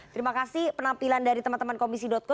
terima kasih penampilan dari teman teman komisi co